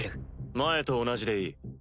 前と同じでいい。